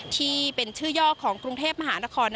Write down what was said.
ที่เป็นชื่อย่อของกรุงเทพมหานคร